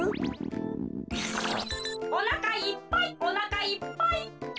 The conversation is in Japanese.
「おなかいっぱいおなかいっぱい！」。